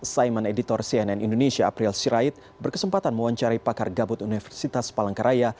saiman editor cnn indonesia april sirait berkesempatan mewancari pakar gambut universitas palangkaraya